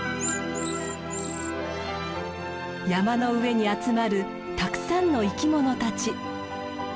山の上に集まるたくさんの生きものたち。